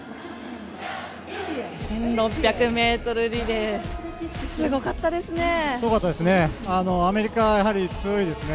１６００ｍリレーすごかったですね。